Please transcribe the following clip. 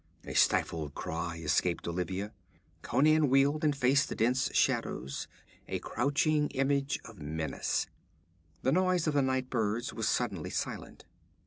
A stifled cry escaped Olivia. Conan wheeled and faced the dense shadows, a crouching image of menace. The noise of the night birds was suddenly silent.